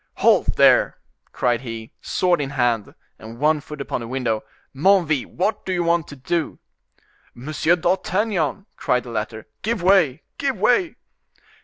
"Halt, there!" cried he, sword in hand, and one foot upon the window. "Menneville, what do you want to do?" "Monsieur d'Artagnan," cried the latter; "give way, give way!"